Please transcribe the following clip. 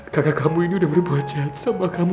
kakak kamu ini udah berbuat jahat sama kamu